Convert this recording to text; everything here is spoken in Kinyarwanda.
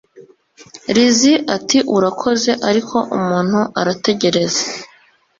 Lizzie ati Urakoze ariko umuntu arategereza